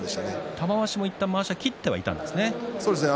玉鷲も一度まわしを切ってはいたんですね。